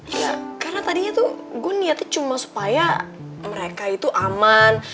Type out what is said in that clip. iya karena tadinya tuh gue niatnya cuma supaya mereka itu aman